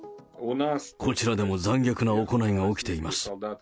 こちらでも残虐な行いが起きています。